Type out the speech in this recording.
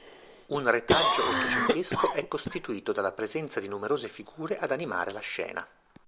Un retaggio ottocentesco è costituito dalla presenza di numerose figure ad animare la scena.